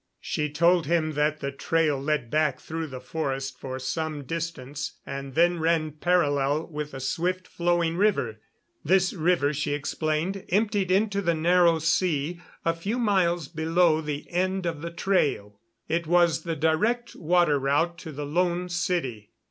She told him that the trail led back through the forest for some distance, and then ran parallel with a swift flowing river. This river, she explained, emptied into the Narrow Sea a few miles below the end of the trail. It was the direct water route to the Lone City.